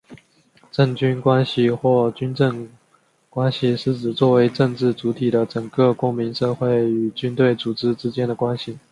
政军关系或军政关系是指作为政治主体的整个公民社会与军队组织之间的关系。